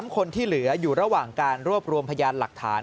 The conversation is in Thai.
๓คนที่เหลืออยู่ระหว่างการรวบรวมพยานหลักฐาน